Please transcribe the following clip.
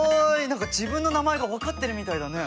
何か自分の名前が分かってるみたいだね。